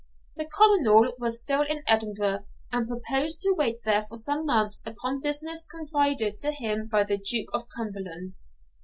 The Colonel was still in Edinburgh, and proposed to wait there for some months upon business confided to him by the Duke of Cumberland.